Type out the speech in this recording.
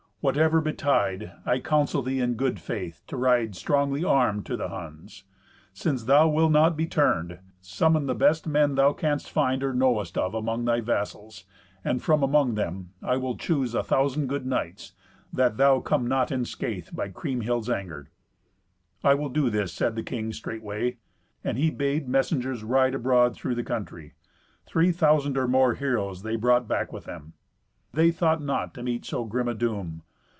Whatever betide, I counsel thee in good faith to ride strongly armed to the Huns. Since thou wilt not be turned, summon the best men thou canst find, or knowest of, among thy vassals, and from among them I will choose a thousand good knights, that thou come not in scathe by Kriemhild's anger." "I will do this," said the king straightway. And he bade messengers ride abroad through the country. Three thousand or more heroes they brought back with them. They thought not to meet so grim a doom.